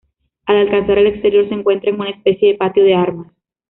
Al alcanzar el exterior se encuentra en una especie de patio de armas.